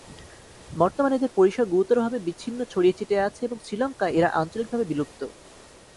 বর্তমানে এদের পরিসর গুরুতরভাবে বিচ্ছিন্ন ছড়িয়ে ছিটিয়ে আছে এবং শ্রীলঙ্কায় এরা আঞ্চলিকভাবে বিলুপ্ত।